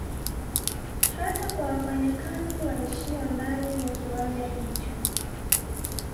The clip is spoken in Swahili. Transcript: Hata kwa wafanya kazi waishio ndani ya kiwanda hicho